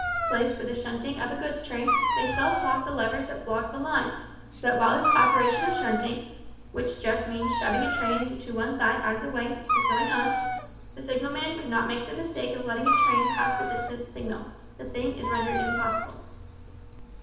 placed for the shunting of a goods train, they self lock the levers that "block" the line, so that while this operation of shunting (which just means shoving a train to one side out of the way) is going on, the signalman could not make the mistake of letting a train pass the distant signal the thing is rendered impossible.